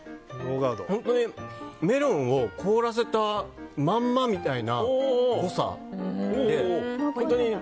本当にメロンを凍らせたままみたいな濃さですね。